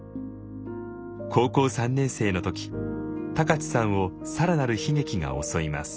高校３年生の時高知さんを更なる悲劇が襲います。